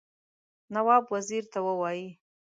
نواب وزیر ته ووايي.